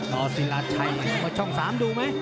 ต่อสิรัสชัยมาช่อง๓ดูไหม